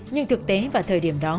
nhưng thực tế vào thời điểm đó